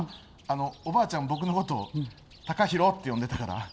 おばあちゃんは僕のことを崇裕って呼んでたから。